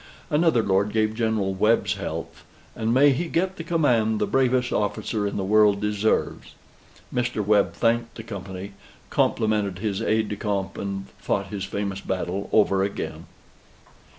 Another lord gave General Webb's health, "and may he get the command the bravest officer in the world deserves." Mr. Webb thanked the company, complimented his aide de camp, and fought his famous battle over again.